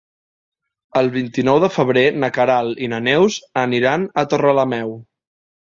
El vint-i-nou de febrer na Queralt i na Neus aniran a Torrelameu.